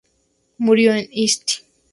Murió en St.